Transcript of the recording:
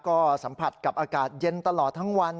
ก็สัมผัสกับอากาศเย็นตลอดทั้งวัน